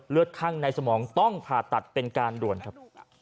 ข้างในสมองต้องผ่าตัดเป็นการด่วนครับ